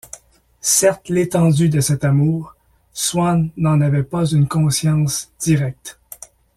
Certes l’étendue de cet amour, Swann n’en avait pas une conscience directe.